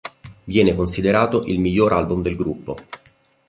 Viene considerato il miglior album del gruppo.